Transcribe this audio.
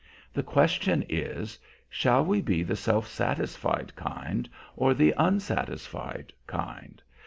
The question is, Shall we be the self satisfied kind or the unsatisfied kind?